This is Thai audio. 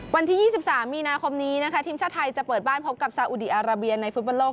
วันที่๒๓มีนาคมนี้นะคะทีมชาติไทยจะเปิดบ้านพบกับซาอุดีอาราเบียในฟุตบอลโลก